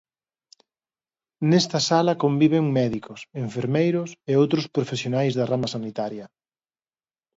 Nesta sala conviven médicos, enfermeiros e outros profesionais da rama sanitaria.